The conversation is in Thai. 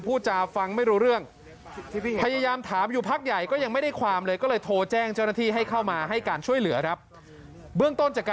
พูจาฟังไม่รู้เรื่องพยายามถามอยู่